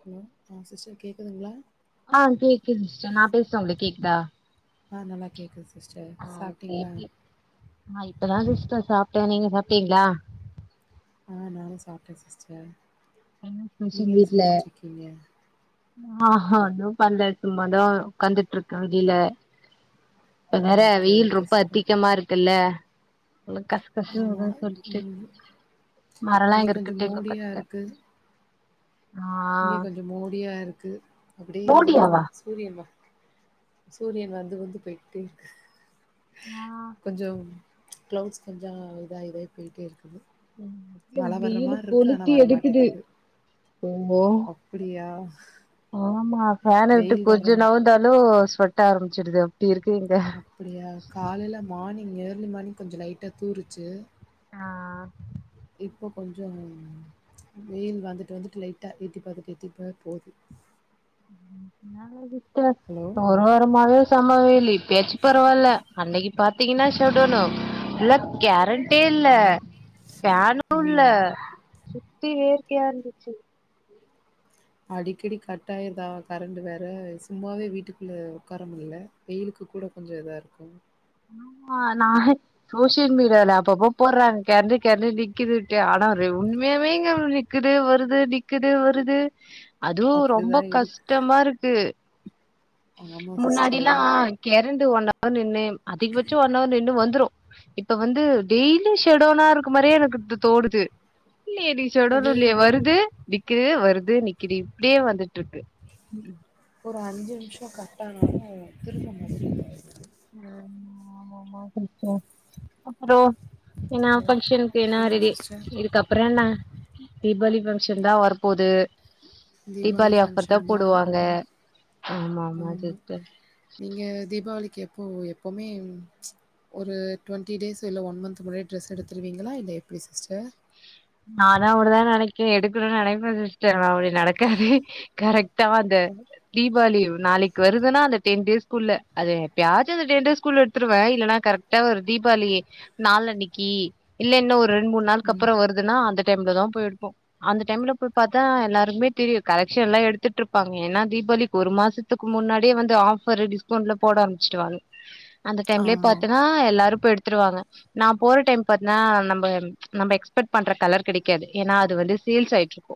Hello ஆ sister கேக்குதுங்களா ம் சிஸ்ர் நா பேசுற உங்களுக் கேக்தா ஆ நல்லா கேக்குது சிஸ்டர் ஓகே சாப்ட்டீங்ளா எப்டி ஆ இப்பதா சிஸ்டர் சாப்ட்டே நீங்க சாப்ட்டீங்ளா ஆ நானு சாப்ட்டே சிஸ்டர் என்ன நீங்க ஸ்பெஷல் என்ன செஞ்சுட்டு இருக்கீங்க ஆஹ்ஹா அது பண்ல சும்ம தா உட்காந்துட்டு இருக்கே வெளில இப்ப ம் வேற ஓகே வெயில் ஓகே ரொம்ப சிஸ்டர். அதிகமா இருக்குல்ல நல்ல கசு கசுனு ஆமா. வருது சொல்ட்டு ம் மரலா இங்க கொஞ்சம் இருக்கட்டு இங்க மோடியா உக்கந்ட்ட இருக்கு. இங்க கொஞ்சோ மோடியா இருக் க்கு அப்டி மோடியாவா சூரியம்மா சூரியன் வந்து வந்து போய்ட்டே இருக் ஆ கொஞ்சோ கிளவுட்ஸ் கொஞ்சோ இதாய் இதாய் போயிட்டே இருக்குது ம் மழ வர்ற வெயிலு மாரி இருக்கு ஆனா கொளுத்தி எடுக்குது வரமாட்டேக்குது. ம்போ அப்டியா? ஆமா ஃபேன விட்டு வெயில் கொஞ்சோ வர்ற நௌந்தாலு கொட்ட ஆரம்பச்சிருது அப்படியா காலைல மார்னிங்கு இர்லி மார்னிங் கொஞ்சோ லைட்டா தூருச்சு ஆ இப்போ கொஞ்சோ வெயில் வந்துட்டு வந்துட்டு லைட்டா எட்டி பார்த்தட்டு எட்டிப்ப போது நாளாது ப்ப ஒரு வாரமாவே செம்ம வெயில் ப்ளே இப்பேச்சு பரவால்ல அன்னைக்கு பாத்தீங்கன்னா ஷடனு இல்ல கேரண்டே இல்ல ஃபேனு இல்ல ம் ‌ச்சி வேற்கையா இருந்துச்சு அடிக்கடி கட்டாயிடுதா கரண்ட வேற சும்மாவே வீட்டுக்குள்ள உட்கார முல வெயிலுக்கு கூட கொஞ்சம் இதா இருக்கு ஆமா நா சோசியல் மீடியால அப்பப்போ போடுறாங்க கெரண்டு கெரண்டு நிக்குது விட்டு ஆனா உண்மையாவே இங்க நிக்குது வருது நிக்குது வருது அதுவு ரொம்ப அப்படிதான் இருக்கு கஷ்டமா இருக்கு ஆமா சிஸ்டர் முன்னாடில்லா கெரன் ட் ஒன்ஹவர் நின்னு அதிகபட்சோ ஒன்னவர் நின்னு வந்துரு இப்ப வந்து டெய்லி ஷட்டௌனா இருக்க மாறியே எனக் த தோணுது இல்லியே ‌இன்னைக் அது ஷடௌன்லா இல்லியே வருது வி நிக்கு வருது நிக்குது இப்டியே வந்துட்டு இருக்கு ஒரு அஞ்சு நிமிஷோ கட் ஆனாலும் திரும்ப மொதல்லருந் வருது ம் ஆமாமா சிஸ்டர் அப்புறோ ஏன்னா ஹலோ ஆ ஃபங்க்ஷன்க்கு சொல்லுங்க ஏனாரிதி சிஸ்டர் இருக்கப் அப்புறோ என்ன தீபாவளி பஃபங்க்ஷன் தா வரப்போது தீபாவளி பங்க்ஷன் தா ஆமா நீங்க தீபாவளிக்கு எப் அப்போ எப்பமே ஒரு ட்வெண்ட்டி டேஸ் இல்ல ஒன் மந்த் முன்னே ட்ரெஸ் எடுத்துருவீங்களா இல்ல எப்டி சிஸ்டர் நானு அவப்டிதா நினைக்கே எடுக்கணும்னு நினைப்பே சிஸ்டர் ஆனா அப்டி நடக்காது கரெக்டா அந்த தீபாவளி நாளைக்கு வருதுனா அந்தடென்டேஸ்குள்ள அது எப்பயாச்சு அந்த டென் டேஸ் குள்ள எடுத்ருவே இல்லனா கரெக்டா ஒரு தீபாவளி நாளன்னைக்கி இல்லன்னொரு ரெண்ட் மூணு ம். நாள்கப்றோ வருது நா அந்த டைம்ல தா போயெடுப்போ அந்த டைம்ல போய் பார்த்தா எல்லாருக்குமே தெரியு கலெக்ஷன்ல்லா எடுத்துட்டு இருப்பாங்க ஏன்னா தீபாவளிக் ஒரு மாசத்துக் முன்னாடியே வந்து ஆஃபரு டிஸ்கௌன்ட்லா போடாரம்ச்சுட்ருவாங்க அந்த டைம்லயே ஆமா, பார்த்தன்னா எல்லாரு போ எடுத்துடுவாங்க நா போற டைம் பாத்தன்னா நம்ம நம்ம எக்ஸ் எஸ்பெக்ட் பண்ற கலர் கெடைக்காது ஏன்னா அது வந்து சேல்ஸ் ஆயிட்டு இருக்கு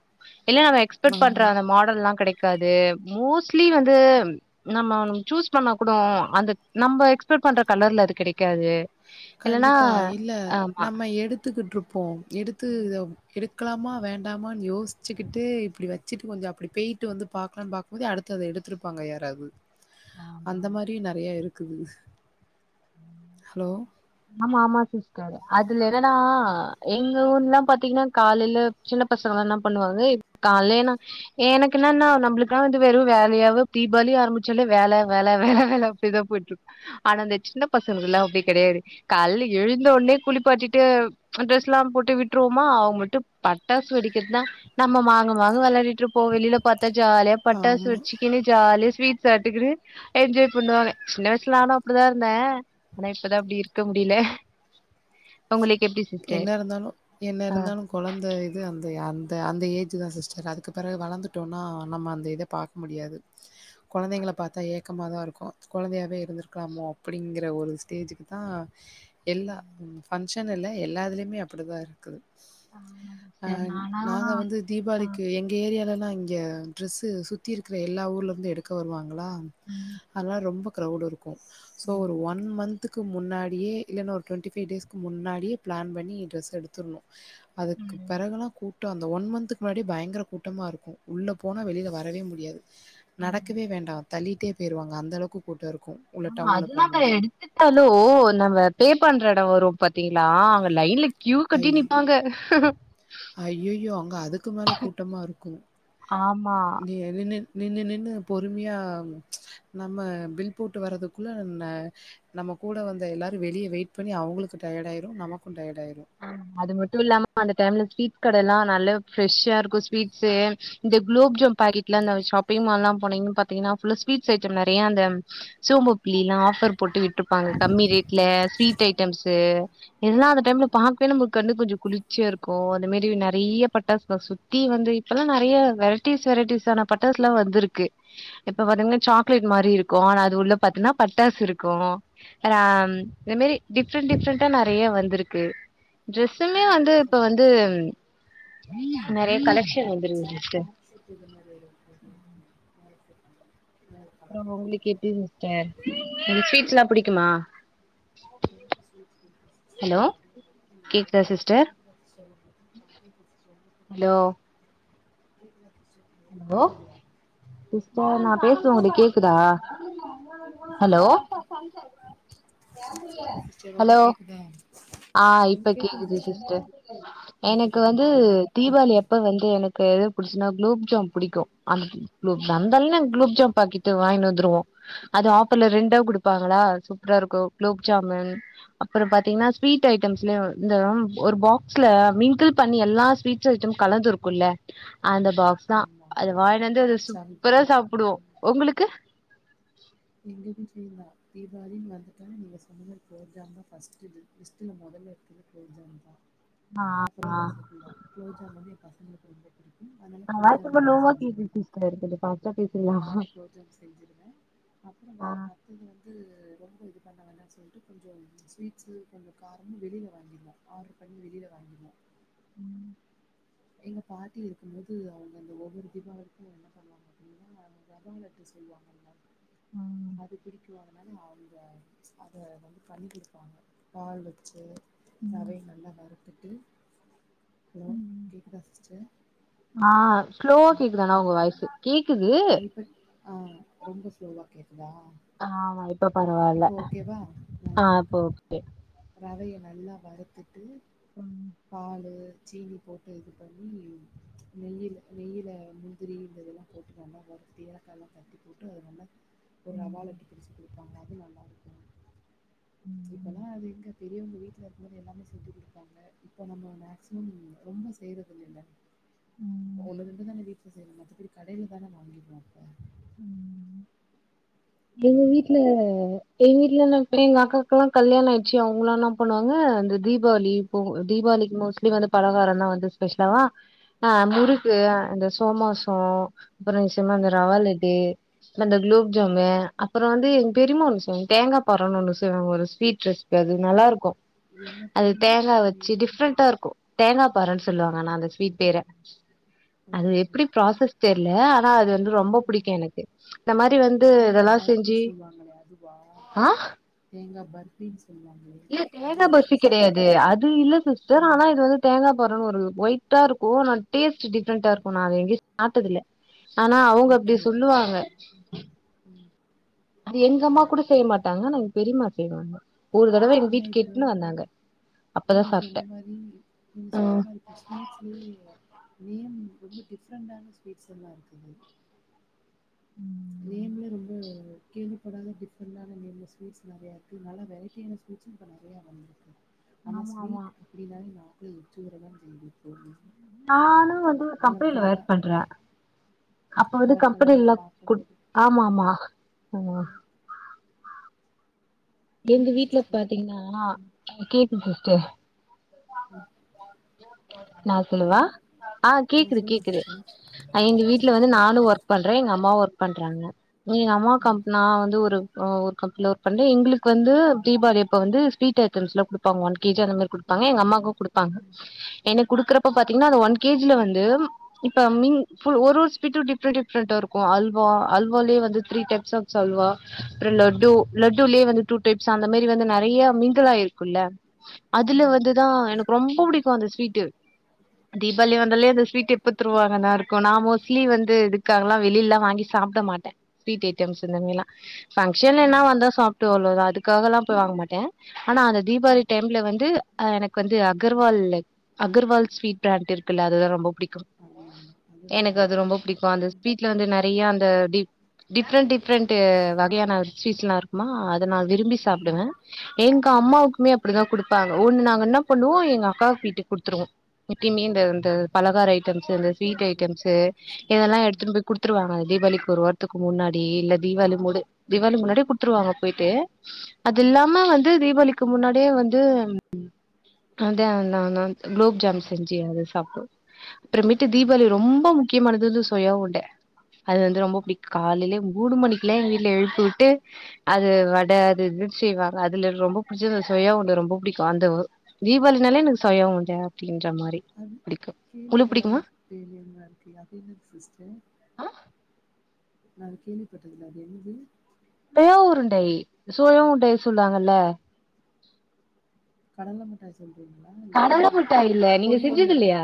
இல்ல நம் எக்ஸ்பெக்ட் பண்ற ஆமா. அந்த மாடெல்லா கெடைக்கு காது மோஸ்ட்லி வந்து நம்ம சூஸ் பண்ண கூட அந்த நம்ம எக்ஸ்போ்ட் பண்ற கலர்ல அது கெடைக்காது இல்லன்னா கண்டிப்பா இல்ல ஆமா நம்ம எடுத்துக்கிட்டுருப்போ எடுத்து ம் இத எடுத் எடுக்கலாமா வேண்டாமான்னு யோசிச்சிகிட்டு இப்டி வச்சுட்டு கொஞ்சோ அப்டிபோயிட்டு வந்து பாக்கலாம்னு பாக்கு போது அடுத்த அத எடுத்திருப்பாங்க யாராவது ஆமா அந்த ஆமா மாரி நெறைய இருக் க்குது ம் ஹலோ ஆமா ஆமா சிஸ்டர் அது லதனா எங்க ஊர்லா பாத்தீங்கன்னா காலைல சின்ன பசங்கலா ன்னா பண்ணுவாங்க காலே நா எனக்கு என்னனா நம்மளுக்குல்லா வந்து வெறு வேலையாவே தீபாவளி ஆரம்பிச்சாலே வேல வேல வேல வேல அப்டிதா போயிட்இருக்கு ஆனா அந்த சின்ன பசங்கங்கள்லா அப்டி கெடையாது கால்ல எழுந்த உடனே குளிப்பாட்டிட்டு ட்ரெஸ்லா போட்டு விட்டுருவோமா அவுங்கட்ட பட்டாசு வெடிக்கிறதுதா நம்ம மாங்கு மாங்கு விளையாடிட்டுருப்போ வெளியில பாத் தா ஜாலியா பட்டாசு ஆமா. வெடிச்சிக்குனு ஜாலியா ஸ்வீட் சாப்ட்டுக்கிட்டு என்ஜாய் பண்ணுவாங்க சின்ன வயசுல நானு அப்டிதா இருந்தே ஆனா இப்பதா அப்டி இருக்கு இருக்க முடில எப்டி என்ன சிஸ்டர் இருந்தாலு என்ன ஆ இருந்தாலு கொழந்த இது அந்த யார் அ அந்த ஏஜ் தா சிஸ்டர் அதுக்கு பெறகு வளர்ந்துட்டோம்னா நம்ம அந்த இத பார்க்க முடியாது கொழந்தைங்கள பாத்தா ஏக் க்கமா தா இருக்கு கொழந்தையாவே இருந்திருக்கலாமோ அப்டிங்கிற ஒரு ஸ்டேஜுக்கு தா எல்லா ம் கொஞ்சனு இல்ல எல்லாதுலயுமே அப்படிதா இருக்குது ஆமா ஆ சிஸ்டர் நானா நாங்க வந்து ஆ தீபாளிக்கு எங்க ஏரியாலல்லா இங்க டிரெஸ்ஸு சுத்தி இருக்கிற எல்லா ஊர்ல இருந்து எடுக்க வருவாங் களா ம் அதல்லா ரொம்பொ க்ரௌடு இரு க்கு சோ ம் ஒரு ஒன் மன் த்துக்கு முன்னாடியே இல்லன்னா ஒரு டொன்ட்டி ஃபைவ் டேஸ் க்கு முன்னாடியே பிளான் பண்ணி ட்ரெஸ் எடுத்துருணு அதுக்கு ம் பெறகல்லா கூ ட்டு அந்த ஒன் மன்த்துக்கு முன்னாடியே பயங்கர கூட்டமா இருக்கு உள்ள போனா வெளில வரவே முடியாது ஆமா நடக்கவே வேண்டா தள்ளி ட்டே போயிருவாங்க அந்த அளவுக்கு கூட்டோ இரு ஆமா அது இல்லாம எடுத்துட்டாலு நம்ம பே பண்ற எடோ வரு பாத்தீங்களா அங்க லைன்ல கியூ கட்டி ஐயோ நிப்பாங்க ஐயயோ அங்க அதுக்கு மேல கூட்டமா இருக்கு ஆமா இது எல நின் நின்னு நின்னு பொறுமையா நம்ம பில் போட்டு வரதுக்குள்ள நம்ம நம்ம கூட வந்த எல்லாரு வெளிய வெயிட் பண்ணி அவங்களுக்கு டயேடு ஆயிரு நமக்கு டயேடு ஆயிரு ஆமா அது மட்டு இல்லாம அந்த டைம்ல ஸ்வீட் கட எல்லா நல்லா ஃபிரெஷ்ஷா இருக்கு ஸ்வீட்ஸு இந்த குலோப்ஜாம் பாக்கெட்ல அந்த ஷாப்பிங் மால்லா போனீங்கனு பாத்தீங்கன்னா ஃபுல்லா ஸ்வீட்ஸ் ஐட்டம் நெறையா அந்த சோன்பப்டிலிலல்லா ஆஃபர் போட்டு வி ட்ருப்பாங்க கம்மி ரேட்ல ஸ்வீட் ஐட்டம்ஸு எல்லா அந்த டைம்ல பாக்கவே நமக்கு வந்து கொஞ்ச குளிர்ச்சியா இருக்கு அந்த மாரி நெறைய பட்டாஸ்க சுத்தி வந்து இப்பெல்லா நெறைய வெரைட்டிஸ் வெரைட்டிஸ் ஆன பட்டாஸ் எல்லா வந்துருக்கு. இப்ப பாத்தீங்கன்னா சாக்லேட் மாரி இருக்கு ஆனா அது உள்ள பாத்தன்னா பட்டாஸ் இருக்கு அது அம் இத மாரி டிஃப்ரெண்ட் டிஃப்ரெண்ட்டா நெறைய வந்திருக்கு டிரெஸ்ஸுமே வந்து இப்ப வந்து நெறைய கலெக்ஷன் வந்துரு பேன்ட் சர்ட்டு இந்த மாரி ஒரு [inaudible] அப்றோ உங்களு க்கு எப்டிங் சிஸ்டர் உங்களுக்கு ஸ்வீட்ஸ்லா புடிக்குமா ஹலோ கேக்குதா சிஸ்டர் ஹலோ ஹலோ சிஸ்டர் நா பேசுறது உங்களுக்கு கேக்குதா ஹலோ சிஸ்டர் ஹலோ உங்களுக்கு கேக்குதா? ஆ இப்ப கேக்குது சிஸ்டர் உங்களுக்கு எனக்கு வந்து கேக்குதா தீவாளி அப்ப வந்து எனக்கு எது புடிச்சுதுனா குலோப்ஜாம் புடிக்கு அந் குலோ வந்தன்னே குலோப்ஜாம் பாக்கெட்டு வாங்கினு வந்துருவோ அது ஆஃபர்ல ரெண்டா குடுப்பாங்களா சூப்ரா இருக்கு குலோப்ஜாமுன் அப்ற பாத்திங்னா ஸ்வீட் ஐட்டம்ஸ்லயு இந்த ஒரு பாக்ஸ்ல மிங்கிள் பண்ணி எல்லா ஸ்வீட்ஸ் ஐட்டமு கலந்து இருக்குல்ல அந்த பாக்ஸ்தா ஆமா அத வாங்கினு வந்து அது ஸ்டார்ட் சூப்பரா சாப்புடுவோ பண்ணிருக்கேன். உங்களுக்கு எங்க வீட்லயுந்தா தீபாவளின்னு வந்துட்டாலே நீங்க சொன்ன மாரி குலோப்ஜாமுன்தா ஃபஸ்ட்டு இருக்கு லிஸ்ட்டுல மொதல்ல இருக்குறது குலோப்ஜாமூன்தா அப்புறோ ரசகுல்லா குலோப்ஜாமு வந்து எ பசங்களுக்கு வந்து உங்க வாய்ஸ் ரொம்ப லோவா கேக்குது சிஸ்டர் கொஞ்ச ஃபாஸ்டா பேசுறிங்களா அப்புற வேற மத்தது வந்து ரொம்ப இது பண்ண வேண்டான்னு சொல்ட்டு கொஞ்சோ ம் ஸ்வீட்ஸு கொஞ்சோ காரமு வெளில வாங்கிருவோ ஆர்ட்ரு பண்ணி வெளில வாங்கிருவோ ம் எங்க பாட்டி இருக்கும்போது அவங்க அந்த ஒவ்வொரு தீபாவளிக்கு என்ன பண்ணுவாங்க அப்படின்னா இந்த ரவா லட்டு சொல்லுவாங்கல்ல அது பிடிக்குவாங்க அந்த மாரி அவங்க அத வந்து பண்ணி குடுப்பாங்க பால் வச்சு ம் ரவைய நல்லா வறு த்துட்டு ஹலோ கேக்குதா சிஸ்டர் ஆ ஸ்லோவா கேக்குது ஆனா உங்க ம் வாய்ஸு கேக்குது ஆ இப்ப ஆ ரொம்ப ஸ்லோவா கேக்குதா ஆமா இ இப்ப பரவால்ல இப்போ ஓகேவா ஆ இப்போ இப்ப ஓகே ரவைய நல்லா வறுத்துட்டு ம் பாலு சீனி போட்டு இது பண்ணி நெய்யில நெய்யில முந்திரி இதையல்லா போட்டு நல்லா வறுத்து தேங்கா கல்லா தட்டி போட்டு நல்லா ஒரு ரவா லட்டு பிடிச்சு குடு ப்பாங்க அது நல்லா இருக்கு இப்பல்லா அது எ பெரியவங்க வீட்ல இருக்கும் போது எல்லாமே செஞ்சு குடுப்பாங்க இப்ப நம்ம மேக்சிமம் ரொம்ப செய்யறது இல்ல இல்ல ஒன்னு ரெண்டுதான வீட் ல செய்யறோ மத்தபடி கடைலதான வாங்கிட்றோ அப்ப ம் எங்க ஹலோ வீட்ல எங்க வீட்ல என்னனா இப்ப எங்க அக்காக்கெல்லா கல்யாணோ ஆயிட்ச்சு அவுங்கல்லா என்னா பண்ணுவாங்க இந்த தீ பாவளி பொ தீபாவளி க்கு மோஸ்ட்லி வந்து பலகாரோ எல்லா வந்து ஸ்பெஷலா ஆ ம் முறுக்கு ஆ அந்த சோமாசோ அப்பறோ நீங்க சொன்ன அந்த ம் ரவா லட் டு அப்றோ அந்த ம் குலோப்ஜாமு அப்பறோ வந்து எங்க பெரிம்மா ஒன்னு செய்வாங்க தேங்கா பாறோன்னு ஒன்னு செய்வாங்க ஒரு ஸ்வீட் ரெசிபி அது நல்லா இருக்கு என்ன அது பேருமா தேங்கா அ வச்சு என்ன பேரு? டிஃப்ரெண்டா இருக்கு தேங்கா பாறன்னு ஆ சொல்லுவாங்க ஆனா அந்த ஸ்வீட் பேர [inaudible] அது ஓகே எப்டி ஓகே ப்ராசஸ் ம் தெர்ல ஆனா அது வந்து ரொம்ப ஆ புடிக்கு எனக்கு இந்த மாரி வந்து தேங்கா இதெல்லா பர்பி செஞ்சு சொல்வாங்களே ஆ பின்னு இது தேங்கா பர்ஃபி கெடையாது அது இல்ல சிஸ்டர் ம் ஆனா இது வந்து தேங்கா பாறன்னு ஒரு ஒயிட்டா இருக்கு ஆனா டேஸ்ட் டிஃப்ரெண்டா இருக்கு நா அத எங்கயு சாப்ட்டது இல்ல ஆனா அவுங்க ஓகே அப்டி ஓகே சொல்லுவாங்க ம் அது எங்கம்மா கூட செய்ய மாட்டாங்க ஆனா எங்க பெரிம்மா செய்வாங்க ஒரு தடவ எங்க ஆனா வீட்டுக்கு இப்போ எட்டுன்னு வந்தாங்க அப்பதா நீங்க சாப்ட்டே சொன்ன மாரி இ நீங்க சொன்ன ம் மாரி இப்ப ஸ்வீட்ஸு இனியும் ரொம்ப டிஃப்ரெண்டான ஸ்வீட்ஸ் எல்லா இருக்குது நேம்ல ரொம்ப கேள்விப்படாத டிஃப்ரெண்டான நேம்ல ஸ்வீட்ஸ் நெறைய இருக்கு நல்ல வெரைட்டியான ஸ்வீட்ஸு இப்ப நெறைய வந்திருக்கு ஆனா ஆமா ஆமா ஸ்வீட் அப்டினாலே நா க்கு எச்சி ஊறதா செய்து தோழி ம் ம் நானு வந்து ஒரு கம்பெனில ஒர்க் பண்றே அப்ப வந்து கலர் கம்பெனில கலரா எல்லா குட் பாக்கும்போது. ஆமா ம், ஆமா ஆமா ம். எங்க சொல்லுங்க வீட்ல சிஸ்டர். பாத்தீங்கன்னா ஆ கேக்குது ம், சிஸ்டர் ம். நா ஹலோ! சொல்லவா ஆ கேக்குது சொல்லுங்க கேக்குது சிஸ்டர். ஆ எங்க சொல்லுங்க வீட்ல வந்து சிஸ்டர். நானு ஒர்க் பண்றே எங்க அம்மாவு ஒர்க் பண்றாங்க நீ எங்க அம்மா கம்ப் நா வந்து ஒரு ஆ ஒரு கம்பனில ஒர்க் பண்றே எங்களு க்கு வந்து தீபாளி அப்ப வந்து ஸ்வீட் ஐட்டம்ஸ்லா குடுப்பாங்க ஒன் கே ஜி அந்த மாரி குடுப்பாங்க எங்க அம்மாக்கு குடுப்பாங்க எனக்கு குடுக்கற ப்ப பாத்தீங்கன்னா அது ஒன் கே ஜி ல வந்து இப்ப மின் ஃபுல் ஒரு ஒரு ஸ்வீட்டு டிஃப்ரெண் டிஃப்ரெண்டா இருக்கு அல்வா அல்வாலயே வந்து த்ரீ டைப்ஸ் ஆஃப் அல்வா அப்ற லட்டு லட்டுலயே வந்து டூ டைப்ஸ் அந்த மாரி வந்து நெறைய மிங்கிள் ஆயிருக்குல்ல அதுல ஆமா, வந்துதா ஆமா எனக்கு சிஸ்டர். ரொம்ப ம், புடிக்கு அந்த ஸ்வீட்டு தீபாளி வந்தாலே அந்த ஸ்வீட்டு எப்ப தருவாங்கன்னுதா இருக்கு நா மோஸ்ட்லி வந்து இதுக்காகல்லா வெளிலல்லா வாங்கி சாப்ட மாட்டே ஸ்வீட் ஐட்டம்ஸ் இந்த மாரிலா ஃபங்ஷன் எதுனா ம். வந்தா சாப்ட்டு வரு வ அதுக்காகலா போய் வாங்க மாட்டே ஆனா அந்த தீபாவளி டைம்ல வந்து ஆ எனக்கு வந்து அகர்வால் அகர்வால் ஸ்வீட் ப்ராண்ட் இருக்குல்ல அதுதா ரொம்ப புடிக்கு ஆமாங்க. அது எனக்கு அது ரொம்ப நல்லாருக்கும். புடிக்கு அந்த ஸ்வீட்ல வந்து நெறயா அந்த டி டிஃப்ரண்ட் டிஃப்ரண்ட்டு வகையான ஸ்வீட்ஸ்லா இருக்குமா அது அத நா விரும்பி சாப்டுவே ம். எங்க அம்மாவுக்குமே அப்பிடிதா குடுப்பாங்க. ஒண்ணு நாங்க என்ன பண்ணுவோ எங்க அக்காக்கு வீட்டுக் குடுத்துருவோ எப்பயுமே இந்த இந்த பலகார ஐட் டம்ஸு இந்த sweet okay, okay, items okay சாமி. இதெல்லா ம், எடுத்துனு போய் குடுத்துருவாங்க தீபாளி ஒரு வாரத்துக்கு முன்னாடி இல்ல தீபாவளி முடு தீபாவளி முன்னாடி குடுத்துருவாங்கப் போய்ட்டு அது ம், இல்லாம வந்து தீபாவளிக் க்கு முன்னாடியே வந்து அந்தே நா நான் குளோப்ஜாம் செஞ்சு அது சாப்டுவோ அப்புறமேட்டு ம். தீபாவளி ரொம்போம் முக்கியமானது வந்து சொயா உருண்ட அது வந்து ரொம்போ புடிக்கு காலிலயே மூணு மணிக்குல்லா எங்க வீட்ல எழுப்பு உட்டு அது வட அது இது செய்வாங்க அதுல ரொம்ப புடுச்சது சொயா உருண்ட ரொம்போ புடிக்கு அந்தவு தீபாவளினாலே எனக்கு சொயா உருண்ட அப்டின் அது கேள்வி படதா பேருலருந்தா இருக்கு அதென்ன சிஸ்டர் நான் கேள்விப்பட்டதுல அது என்னது சொயா உருண்டை சோயா உருண்டை சொல்லுவாங்கல்ல கடல மிட்டாய் சொல் கடல முட்டாய் இல்ல நீங்க செஞ்சது இல்லையா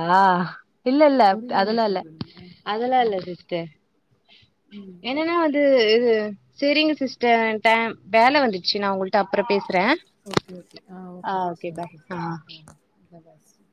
இல்ல இல்ல பொரியல்ல அதெல்லா இல்ல சொல்றீங்களா? அதெல்லா இல்ல ம், சிஸ்டர் ம். என்னன்னா வந்து து சேரிங்க சிஸ்டர் டேம் வேல வந்துருச்சு நா உங்கள்ட அப் ஓகே ஓகே ஆ ஓகே ஓகேங்க ம் ம் லதாஸ்ஸ்ரீ